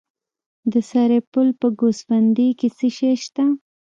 د سرپل په ګوسفندي کې څه شی شته؟